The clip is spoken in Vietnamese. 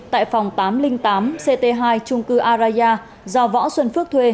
tại phòng tám trăm linh tám ct hai trung cư araya do võ xuân phước thuê